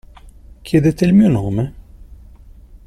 Chiedete il mio nome?